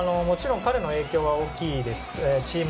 もちろん彼の影響は大きいです。